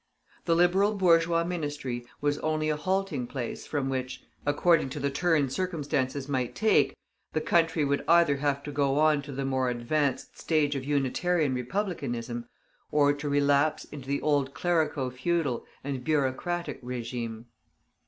The Liberal bourgeois ministry was only a halting place from which, according to the turn circumstances might take, the country would either have to go on to the more advanced stage of Unitarian republicanism, or to relapse into the old clerico feudal and bureaucratic régime.